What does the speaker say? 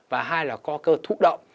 và hai là co cơ thủ động